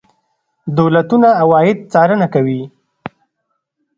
دولتونه عواید څارنه کوي.